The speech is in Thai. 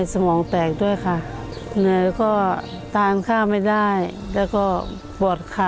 ต้องโภคตายอาทิตย์ละ๒ครั้งค่ะ